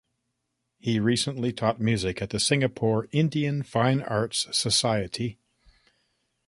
He recently taught music at the Singapore Indian Fine Arts Society.